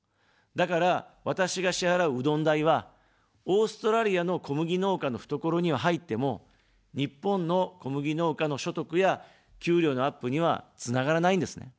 だから、私が支払う、うどん代は、オーストラリアの小麦農家の懐には入っても、日本の小麦農家の所得や給料のアップにはつながらないんですね。